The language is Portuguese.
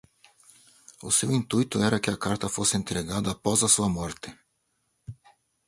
O seu intuito era que a carta fosse entregada após a sua morte.